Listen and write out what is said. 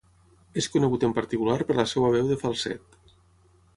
És conegut en particular per la seva veu de falset.